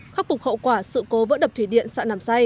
khắc phục hậu quả sự cố vỡ đập thủy điện xã nàm xay